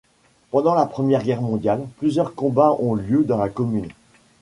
Pendant la Première Guerre mondiale, plusieurs combats ont lieu dans la commune.